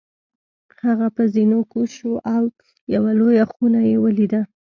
هغه په زینو کوز شو او یوه لویه خونه یې ولیده.